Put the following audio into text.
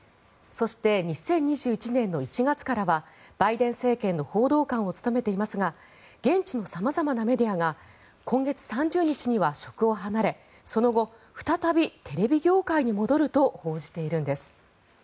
そして、２０２１年の１月からはバイデン政権の報道官を務めていますが現地の様々なメディアが今月３０日には職を離れその後、再びテレビ業界に戻ると報じているんです。